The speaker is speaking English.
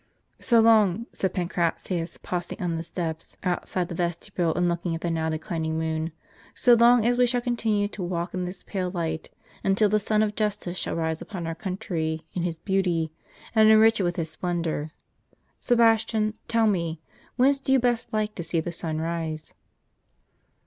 '"" So long," said Pancratius, pausing on the steps outside the vestibule, and looking at the now declining moon, " so long as we shall continue to walk in this pale light, and until the Sun of Justice shall rise upon our country in His beauty, and enrich it with His splendor. Sebastian, tell me, whence do you best like to see the sun rise?